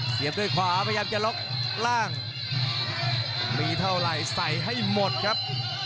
ด้วยขวาพยายามจะล็อกล่างมีเท่าไหร่ใส่ให้หมดครับ